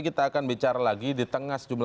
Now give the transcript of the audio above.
hampir setahun ya